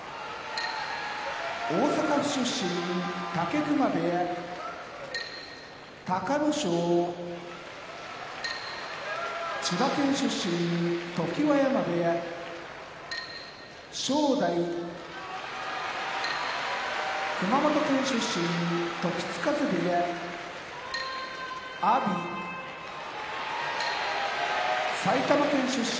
大阪府出身武隈部屋隆の勝千葉県出身常盤山部屋正代熊本県出身時津風部屋阿炎埼玉県出身